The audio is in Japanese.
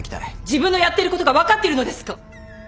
自分のやってることが分かってるのですか！